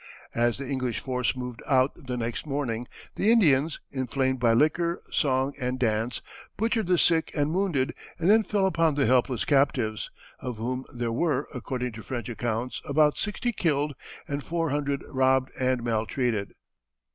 As the English force moved out the next morning the Indians, inflamed by liquor, song, and dance, butchered the sick and wounded and then fell upon the helpless captives, of whom there were, according to French accounts, about sixty killed and four hundred robbed and maltreated.